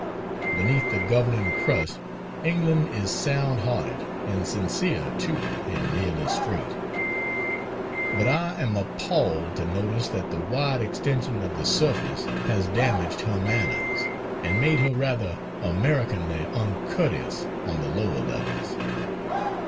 Beneath the governing crust England is sound hearted and sincere, too, and nearly straight. But I am appalled to notice that the wide extension of the surface has damaged her manners, and made her rather Americanly uncourteous on the lower levels.